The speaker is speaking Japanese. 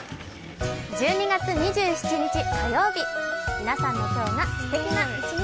１２月２７日火曜日。